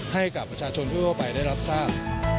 ให้กับประชาชนทั่วไปได้รับทราบ